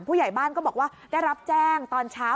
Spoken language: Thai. ผู้ใหญ่บ้านก็บอกว่าได้รับแจ้งตอนเช้า